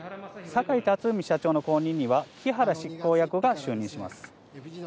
坂井辰史社長の後任には、木原執行役が就任します。